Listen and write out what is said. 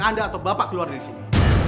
anda atau bapak keluar dari sini